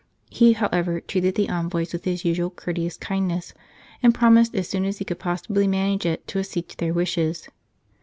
He, however, treated the envoys with his usual courteous kindness, and promised, as soon as he could possibly manage it, to accede to their wishes.